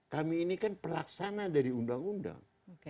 kami ini kan pelaksana dari undang undang